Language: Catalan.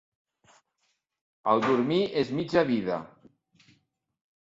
El dormir és mitja vida.